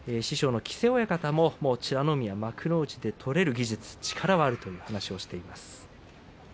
師匠の木瀬親方も美ノ海はもう幕内で取れる技術力はあるという話をしています。